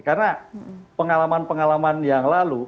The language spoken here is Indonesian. karena pengalaman pengalaman yang lalu